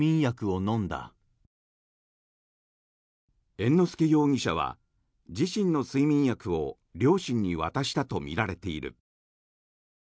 猿之助容疑者は自身の睡眠薬を両親に渡したとみられている。